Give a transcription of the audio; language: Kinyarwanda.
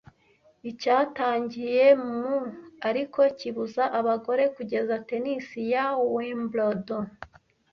Icyatangiye mu ariko kibuza abagore kugeza Tennis ya Wimbledon